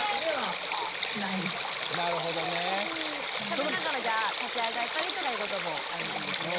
食べながらじゃあ立ち上がったりとかいうこともあるんですね。